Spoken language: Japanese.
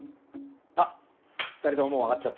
あっ２人とももう上がっちゃって。